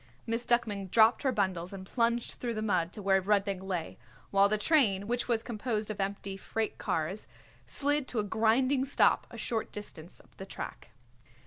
Miss Duckman dropped her bundles and plunged through the mud to where Rudnik lay, while the train, which was composed of empty freight cars, slid to a grinding stop a short distance up the track.